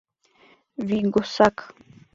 Вӱйгосак!